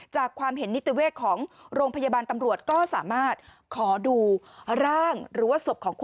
จากความเห็นนิติเวทของ